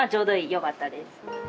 よかったです。